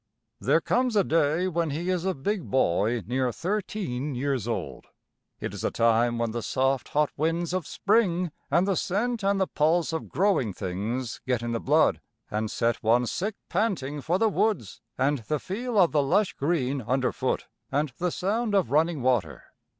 There comes a day when he is a big boy near thirteen years old. It is a time when the soft, hot winds of spring and the scent and the pulse of growing things get in the blood, and set one sick panting for the woods and the feel of the lush green underfoot and the sound of running water.